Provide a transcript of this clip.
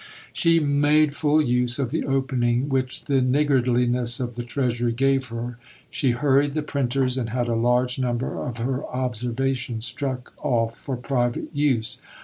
She made full use of the opening which the niggardliness of the Treasury gave her. She hurried the printers, and had a large number of her "Observations" struck off for private use.